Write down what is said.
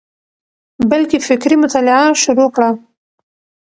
بلکي فکري مطالعه شروع کړه،